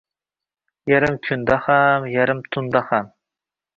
Yarim kunda ham, yarim tunda ham.